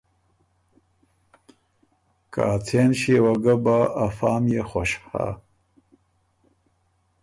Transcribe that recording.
که ”ا څېن ݭيې وه ګۀ بۀ افا ميې خوش هۀ“